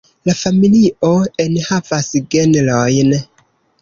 La familio enhavas genrojn.